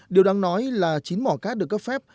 điều đáng nói là chín mỏ cát được cấp phép